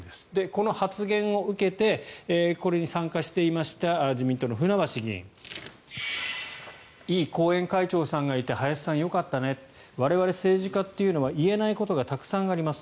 この発言を受けてこれに参加していました自民党の船橋議員いい後援会長さんがいて林さん、よかったね我々政治家というのは言えないことがたくさんあります